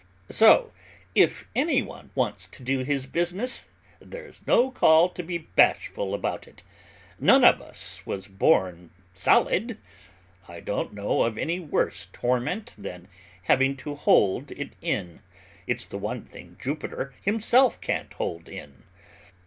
So if anyone wants to do his business, there's no call to be bashful about it. None of us was born solid! I don't know of any worse torment than having to hold it in, it's the one thing Jupiter himself can't hold in.